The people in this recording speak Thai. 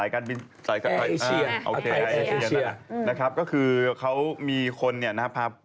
ก็คือเค้ามีคนเนี่ยนะ